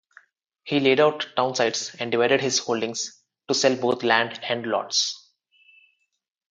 He laid out townsites and divided his holdings to sell both land and lots.